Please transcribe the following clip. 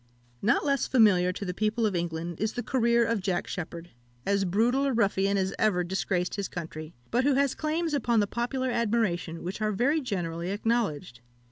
Not less familiar to the people of England is the career of Jack Sheppard, as brutal a ruffian as ever disgraced his country, but who has claims upon the popular admiration which are very generally acknowledged.